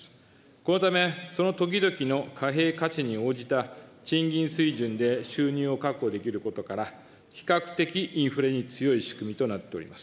このため、その時々の貨幣価値に応じた賃金水準で収入を確保できることから、比較的インフレに強い仕組みとなっております。